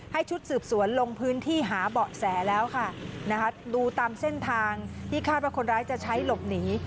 ชุดสืบสวนลงพื้นที่หาเบาะแสแล้วค่ะนะคะดูตามเส้นทางที่คาดว่าคนร้ายจะใช้หลบหนี